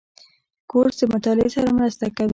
کورس د مطالعې سره مرسته کوي.